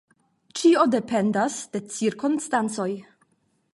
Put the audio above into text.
Ĉio dependas de cirkonstancoj.